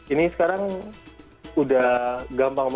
ini sekarang udah gampang banget